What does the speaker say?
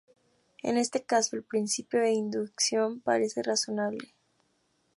En este caso, el principio de inducción parece razonable.